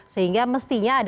sehingga mestinya ada